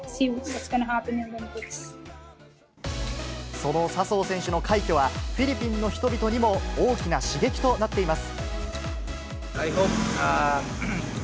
その笹生選手の快挙は、フィリピンの人々にも大きな刺激となっています。